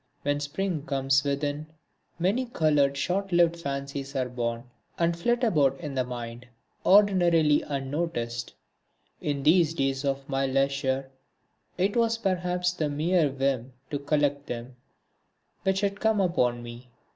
When spring comes within, many coloured short lived fancies are born and flit about in the mind, ordinarily unnoticed. In these days of my leisure, it was perhaps the mere whim to collect them which had come upon me.